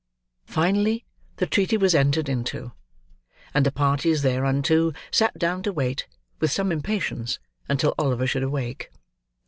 Finally the treaty was entered into; and the parties thereunto sat down to wait, with some impatience, until Oliver should awake.